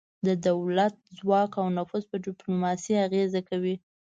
د دولت ځواک او نفوذ په ډیپلوماسي اغیزه کوي